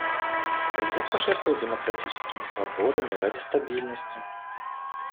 Нельзя пожертвовать демократическими свободами ради стабильности.